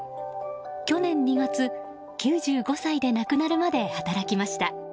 去年２月、９５歳で亡くなるまで働きました。